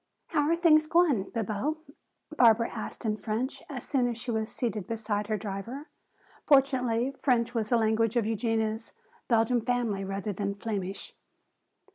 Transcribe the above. "How are things going, Bibo?" Barbara asked in French, as soon as she was seated beside her driver. Fortunately, French was the language of Eugenia's Belgium family rather than Flemish.